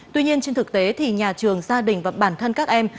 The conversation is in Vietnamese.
tuy nhiên trên thực tế thì nhà trường gia đình và bản thân các em